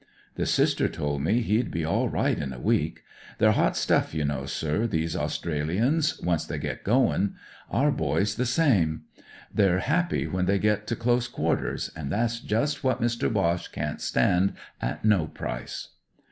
The Sister tol' me he'd be all right in a week. They're hot stuff, you know, sir, these Australians, once they get goin'. Our boys the same. They're happy when they get to close quarters, an' that's just what Mister Boche can't stand at no price."